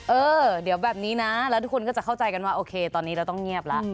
เออเดี๋ยวแบบนี้นะแล้วทุกคนก็จะเข้าใจกันว่าโอเคตอนนี้เราต้องเงียบแล้ว